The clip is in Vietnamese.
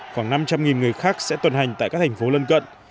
khoảng năm trăm linh người khác sẽ tuần hành tại các thành phố lân cận